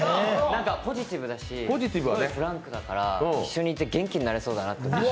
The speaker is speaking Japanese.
なんかポジティブだし、フランクだから一緒にいて元気になれそうだなって。